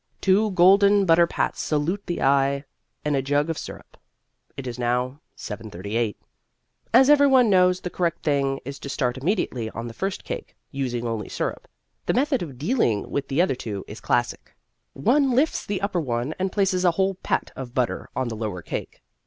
Two golden butter pats salute the eye, and a jug of syrup. It is now 7:38. As everyone knows, the correct thing is to start immediately on the first cake, using only syrup. The method of dealing with the other two is classic. One lifts the upper one and places a whole pat of butter on the lower cake.